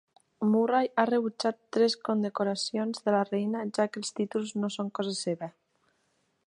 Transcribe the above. Murray ha rebutjat tres condecoracions de la reina, ja que els títols no són "cosa seva".